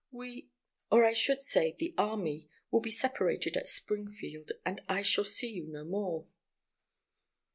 We—or, I should say the army—will be separated at Springfield, and I shall see you no more."